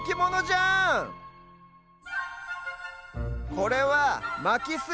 これは「まきす」。